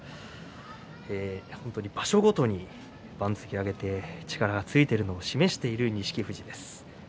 本当に場所ごとに番付を上げて力がついているのを示している錦富士です。